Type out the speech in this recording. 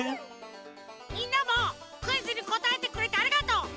みんなもクイズにこたえてくれてありがとう。